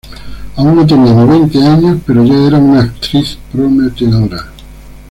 Aún no tenía ni veinte años, pero ya era una actriz prometedora.